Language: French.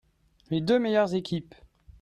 Les deux meilleures équipes.